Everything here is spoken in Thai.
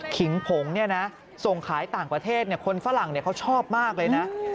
ขิงผงส่งขายต่างประเทศคนฝรั่งเขาชอบมากเลยนะ